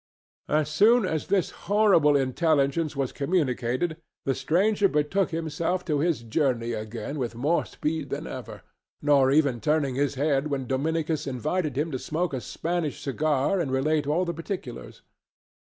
As soon as this horrible intelligence was communicated the stranger betook himself to his journey again with more speed than ever, not even turning his head when Dominicus invited him to smoke a Spanish cigar and relate all the particulars.